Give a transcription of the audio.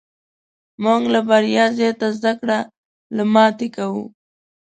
موږ له بریا زیاته زده کړه له ماتې کوو.